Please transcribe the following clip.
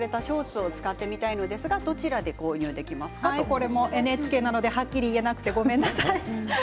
これもＮＨＫなのではっきり言えなくてごめんなさい。